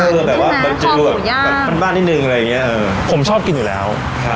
เออแบบว่าแบบบ้านนิดหนึ่งอะไรอย่างเงี้ยเออผมชอบกินอยู่แล้วครับ